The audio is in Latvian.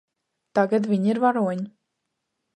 Tagad viņi ir varoņi.